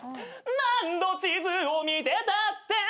「何度地図を見てたって」